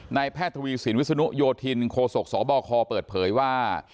แพทย์ทวีสินวิศนุโยธินโคศกสบคเปิดเผยว่า